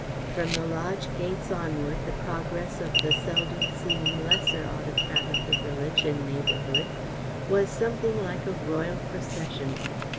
From the lodge gates onward the progress of the seldom seen lesser autocrat of the village and neighbourhood was something like a royal procession.